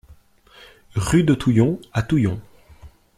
Rue de Touillon à Touillon